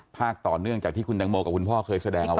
ต่อเนื่องจากที่คุณแตงโมกับคุณพ่อเคยแสดงเอาไว้